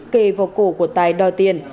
kề vào cổ của tài đòi tiền